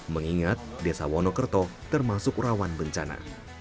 mengingat desa wonokerto termasuk rawan bencana